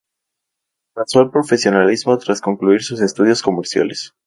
Pasó al profesionalismo tras concluir sus estudios comerciales.